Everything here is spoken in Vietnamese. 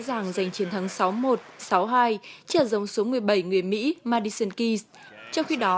dàng giành chiến thắng sáu một sáu hai trả dòng số một mươi bảy người mỹ madison keyes trong khi đó